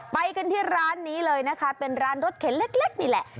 ไปกันที่ร้านนี้เลยนะคะเป็นร้านรถเข็นเล็กนี่แหละ